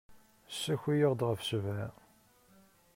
Ssaki-aɣ-d ɣef ssebɛa.